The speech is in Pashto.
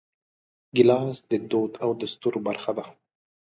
ګیلاس د دود او دستور برخه ده.